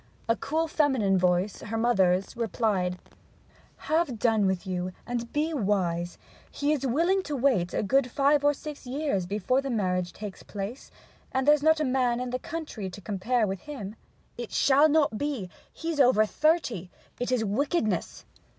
A cool feminine voice, her mother's, replied: 'Have done with you, and be wise. He is willing to wait a good five or six years before the marriage takes place, and there's not a man in the county to compare with him.' 'It shall not be! He is over thirty. It is wickedness.'